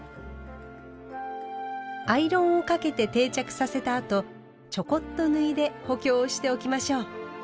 アイロンをかけて定着させたあとちょこっと縫いで補強をしておきましょう。